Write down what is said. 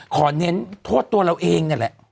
เน้นโทษตัวเราเองนั่นแหละ